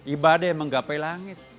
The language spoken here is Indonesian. ibadah yang menggapai langit